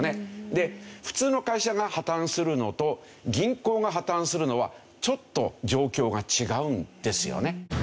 で普通の会社が破たんするのと銀行が破たんするのはちょっと状況が違うんですよね。